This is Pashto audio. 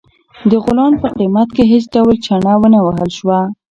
د غلام په قیمت کې هیڅ ډول چنه ونه وهل شوه.